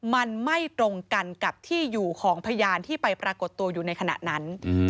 มันไม่ตรงกันกับที่อยู่ของพยานที่ไปปรากฏตัวอยู่ในขณะนั้น